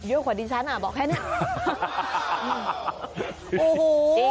กว่าดิฉันอ่ะบอกแค่นี้